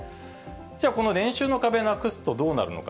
じゃあ、この年収の壁なくすとどうなるのか。